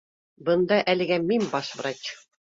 — Бында әлегә мин баш врач